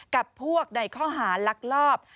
กับพวกในข้อหาลักลอบ